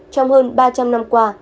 trong hơn ba trăm linh năm qua